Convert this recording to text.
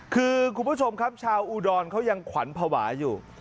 คือคุณผู้ชมครับชาวอุดรเขายังขวัญภาวะอยู่